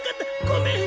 ごめん！